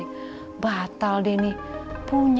kalau sampai aku gagal jodohin sila sama boy